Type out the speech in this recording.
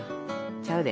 ちゃうで。